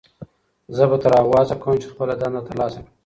زه به تر هغو هڅه کوم چې خپله دنده ترلاسه کړم.